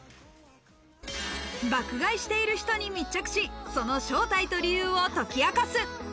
爆買いしている人に密着し、その正体と理由を解き明かす。